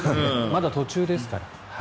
まだ途中ですから。